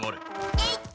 えいっ！